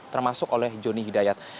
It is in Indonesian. termasuk oleh jonny hidayat